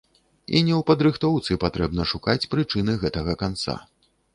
І не ў падрыхтоўцы патрэбна шукаць прычыны гэтага канца.